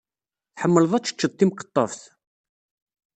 Tḥemmleḍ ad teččeḍ timqeṭṭeft?